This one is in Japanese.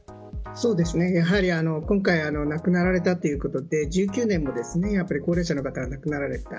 やはり、今回亡くなられたということで１９年も高齢者の方が亡くなられた。